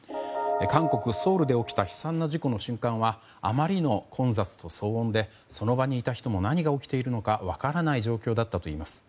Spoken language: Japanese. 韓国ソウルで起きた悲惨な事故の瞬間はあまりの混雑と騒音でその場にいた人も何が起きているのか分からない状況だったといいます。